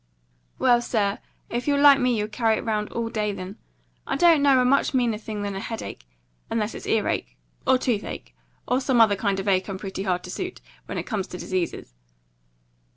"Well, sir, if you're like me you'll carry it round all day, then. I don't know a much meaner thing than a headache unless it's earache, or toothache, or some other kind of ache I'm pretty hard to suit, when it comes to diseases.